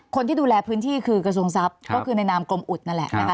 คนที่ดูแลพื้นที่คือกระทรวงทรัพย์ก็คือในนามกลมอุดนั่นแหละนะคะ